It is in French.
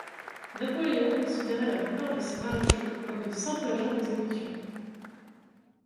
Napoléon considérait la plupart de ses maréchaux comme de simples agents d'exécution.